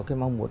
cái mong muốn